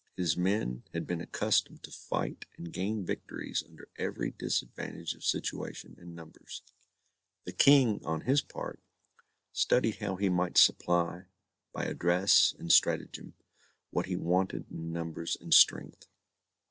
His men had been accustomed to fight and gain victories under every disadvantage of situation and numbers. The King, on his part, studied how he might supply, by address and stratagem, what he wanted in numbers and strength.